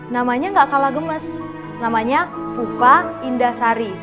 namanya gak kalah gemes namanya pupa indasari